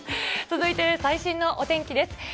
続いて、最新のお天気です。